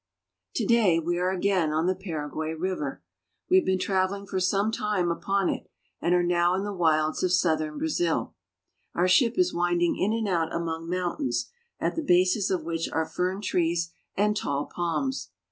TO DAY we are again on the Paraguay river. We have been traveling for some time upon it, and are now in the wilds of southern Brazil. Our ship is winding in and out among mountains, at the bases of which are fern trees and tall palms.